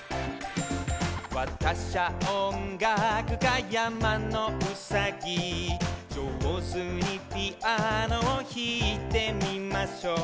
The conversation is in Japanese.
「わたしゃおんがくか山のうさぎ」「じょうずにピアノをひいてみましょう」